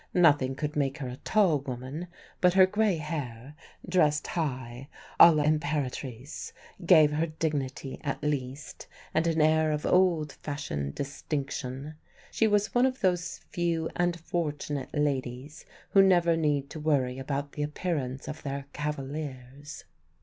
Nothing could make her a tall woman; but her grey hair, dressed high a l'imperatrice, gave her dignity at least, and an air of old fashioned distinction. And she was one of those few and fortunate ladies who never need to worry about the appearance of their cavaliers.